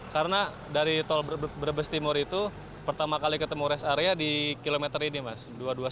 karena dari tol brebes timur itu pertama kali ketemu res area di kilometer ini mas dua ratus dua puluh sembilan